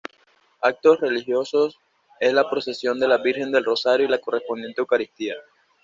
Acto religioso es la procesión de la Virgen del Rosario y la correspondiente Eucaristía.